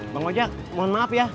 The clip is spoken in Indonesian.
bang ojek mohon maaf ya